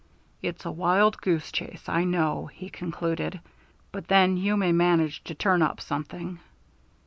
"It's a wild goose chase, I know," he concluded; "but then you may manage to turn up something."